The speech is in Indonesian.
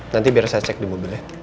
nanti biar saya cek di mobilnya